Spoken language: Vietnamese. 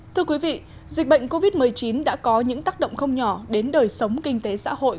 thưa quý vị dịch bệnh covid một mươi chín đã có những tác động không nhỏ đến đời sống kinh tế xã hội